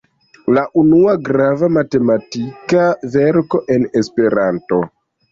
La unua grava matematika verko en Esperanto.